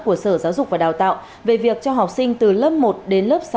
của sở giáo dục và đào tạo về việc cho học sinh từ lớp một đến lớp sáu